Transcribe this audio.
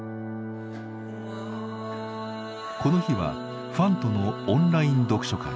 この日はファンとのオンライン読書会。